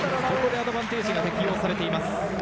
ここでアドバンテージが適用されています。